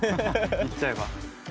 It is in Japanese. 言っちゃえば。